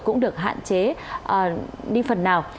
cũng được hạn chế đi phần nào